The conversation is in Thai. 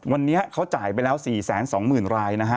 วันนี้เขาจ่ายไปแล้ว๔๒๐๐๐รายนะฮะ